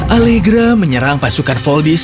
allegra menyerang pasukan voldis